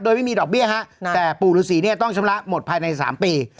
โดยไม่มีดอกเบี้ยฮะแต่ปู่ฤษีเนี่ยต้องชำระหมดภายใน๓ปี